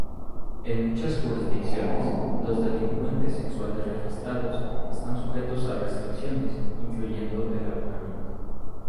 En muchas jurisdicciones los delincuentes sexuales registrados están sujetos a restricciones incluyendo el alojamiento.